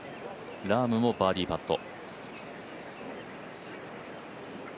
ラームもバーディーパット。